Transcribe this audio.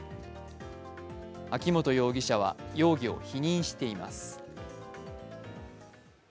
秋本容疑者は容疑を否認しています。